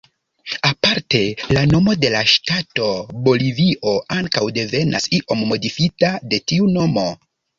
Aparte, la nomo de la ŝtato Bolivio ankaŭ devenas, iom modifita, de tiu nomo.